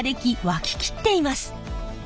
沸き切っています。